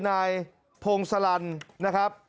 นายพงศลันนะครับ